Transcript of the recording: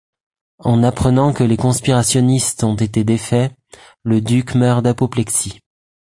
En apprenant que les conspirationnistes ont été défaits, le duc meurt d'apoplexie.